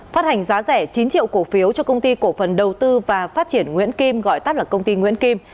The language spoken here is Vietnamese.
phát hành giá rẻ chín triệu cổ phiếu cho công ty cổ phần đầu tư và phát triển nguyễn kim gọi tắt là công ty nguyễn kim